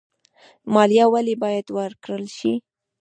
مالیه ولې باید ورکړل شي؟